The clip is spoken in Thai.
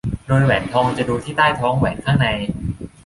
โดยแหวนทองจะดูที่ใต้ท้องแหวนข้างใน